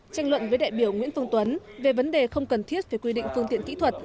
tranh luận với đại biểu nguyễn phương tuấn về vấn đề không cần thiết về quy định phương tiện kỹ thuật